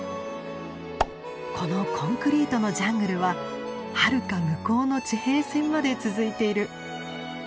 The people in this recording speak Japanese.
このコンクリートのジャングルははるか向こうの地平線まで続いている。